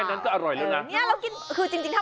อร่อยแล้วนะ